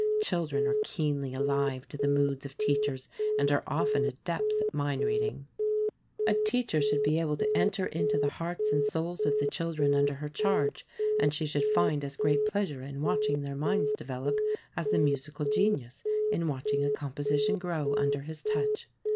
Children are keenly alive to the moods of teachers and are often adepts in mind reading. A teacher should be able to enter into the hearts and souls of the children under her charge, and she should find as great pleasure in watching their minds develop as the musical genius in watching a composition grow under his touch.